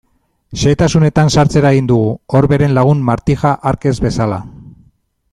Xehetasunetan sartzera egin dugu, Orberen lagun Martija hark ez bezala.